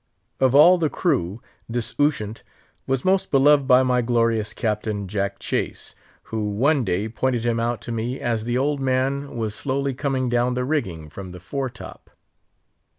Of all the crew, this Ushant was most beloved by my glorious captain, Jack Chase, who one day pointed him out to me as the old man was slowly coming down the rigging from the fore top.